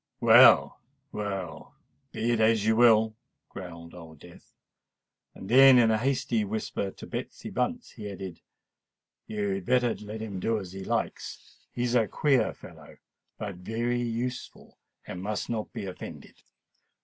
"Well, well—be it as you will," growled Old Death: then, in a hasty whisper to Betsy Bunce, he added, "You had better let him do as he likes. He is a queer fellow, but very useful—and must not be offended."